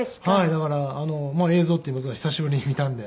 だから映像っていいますか久しぶりに見たんで。